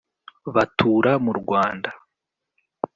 batura mu rwanda;